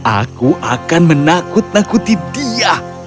aku akan menakut nakuti dia